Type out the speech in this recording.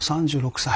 ３６歳。